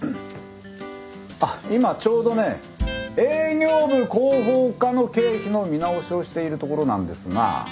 あっ今ちょうどね営業部広報課の経費の見直しをしているところなんですが。